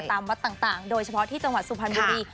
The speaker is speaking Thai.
ตามวัดต่างโดยเฉพาะที่จังหวัดสุพรรณบุรี